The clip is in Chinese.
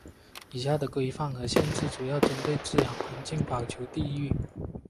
以下的规范和限制主要是针对自然环境保全地域。